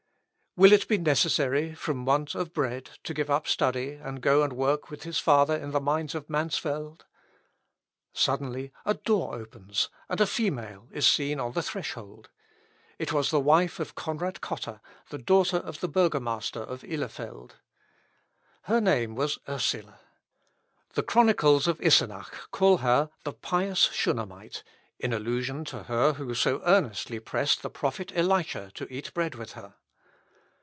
Will it be necessary, from want of bread, to give up study, and go and work with his father in the mines of Mansfeld? Suddenly a door opens, and a female is seen on the threshold, it was the wife of Conrad Cotta, the daughter of the burgomaster of Ilefeld. Her name was Ursula. The Chronicles of Isenach call her "the pious Shunammite," in allusion to her who so earnestly pressed the prophet Elisha to eat bread with her.